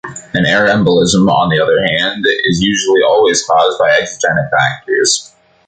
An air embolism, on the other hand, is usually always caused by exogenic factors.